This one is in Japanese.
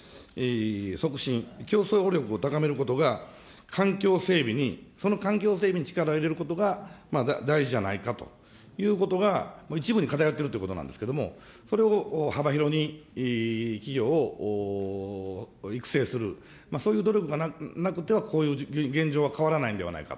促進、競争力を高めることが、環境整備に、その環境整備に力を入れることが、大事じゃないかということが、一部に偏ってるということなんですけど、それを幅広に企業を育成する、そういう努力がなくては、こういう現状は変わらないんではないかと。